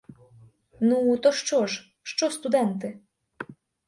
Ну, то що ж, що студенти?